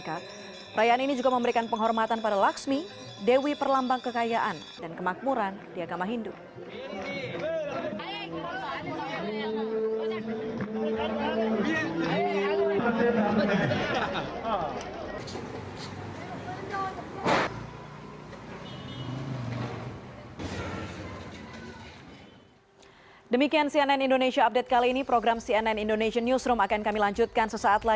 pameran ini akan berakhir pada februari tahun depan